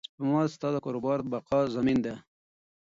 سپما ستا د کاروبار د بقا ضامن ده.